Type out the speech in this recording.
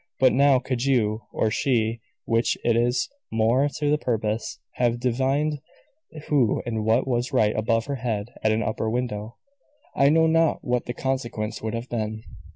But now could you or she, which it is more to the purpose have divined who and what was right above her head at an upper window, I know not what the consequence would have been.